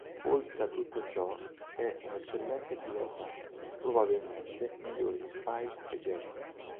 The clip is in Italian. Oltre a tutto ciò, è una eccellente pilota, probabilmente migliore di Spike e Jet.